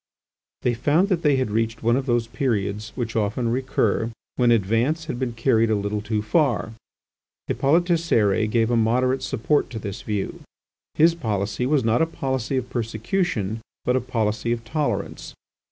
They found that they had reached one of those periods (which often recur) when advance had been carried a little too far. Hippolyte Cérès gave a moderate support to this view. His policy was not a policy of persecution but a policy of tolerance.